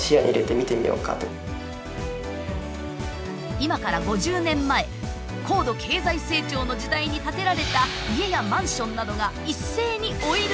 今から５０年前高度経済成長の時代に建てられた家やマンションなどが一斉に老いる